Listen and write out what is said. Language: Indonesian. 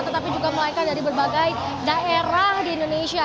tetapi juga mereka dari berbagai daerah di indonesia